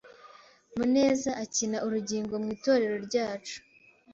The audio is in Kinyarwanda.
Muneza akina urugingo mwitorero ryacu.